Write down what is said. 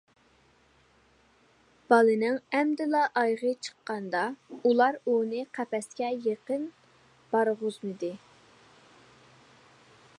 بالىنىڭ ئەمدىلا ئايىغى چىققاندا ئۇلار ئۇنى قەپەسكە يېقىن بارغۇزمىدى.